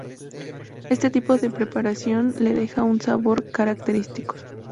Este tipo de preparación le deja un sabor característico.